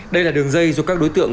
đây là đường dây do các đối tượng